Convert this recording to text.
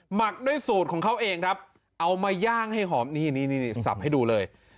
หมักด้วยสูตรของเขาเองครับเอามาย่างให้หอมนี่นี่สับให้ดูเลย